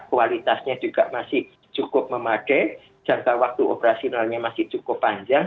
kualitasnya juga masih cukup memadai jangka waktu operasionalnya masih cukup panjang